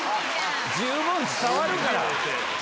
十分伝わるから。